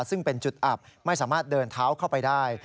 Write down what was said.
ซึ่งเป็นจุดอับไม่สามารถเดินเท้าเข้าไปได้